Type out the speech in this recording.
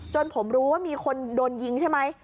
ผมรู้ว่ามีคนโดนยิงใช่ไหม